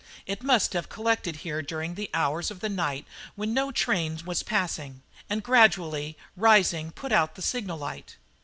It must have collected here during the hours of the night when no train was passing, and gradually rising put out the signal light.